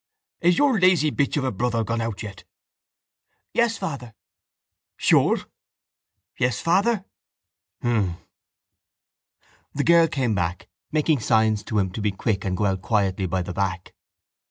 —Is your lazy bitch of a brother gone out yet? —Yes, father. —Sure? —Yes, father. —Hm! The girl came back, making signs to him to be quick and go out quietly by the back.